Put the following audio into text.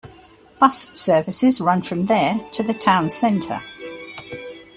Bus services run from there to the town centre.